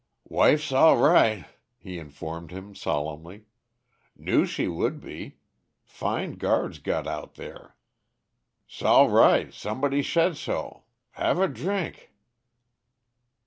"Wife 'sall righ'," he informed him solemnly. "Knew she would be fine guards's got out there. 'Sall righ' somebody shaid sho. Have a drink."